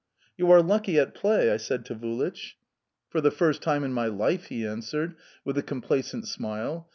"You are lucky at play!" I said to Vulich... "For the first time in my life!" he answered, with a complacent smile.